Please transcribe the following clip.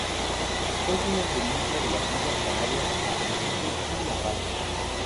Es un endemismo de las Islas Canarias en Tenerife y La Palma.